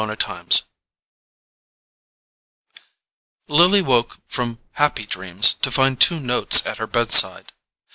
Chapter 13 Lily woke from happy dreams to find two notes at her bed side.